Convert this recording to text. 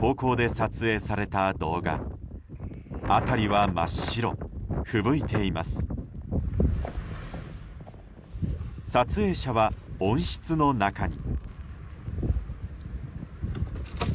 撮影者は、温室の中に。